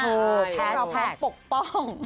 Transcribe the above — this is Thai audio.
เพื่อเราพร้อมปกป้อง